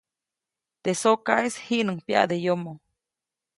Teʼ sokaʼis jiʼnuŋ pyaʼde yomoʼ.